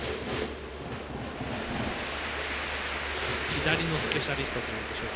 左のスペシャリスト。